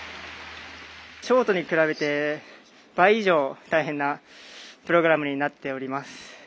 ショートに比べて倍以上大変なプログラムになっております。